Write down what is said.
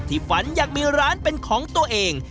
ฝันอยากมีร้านเป็นของตัวเอง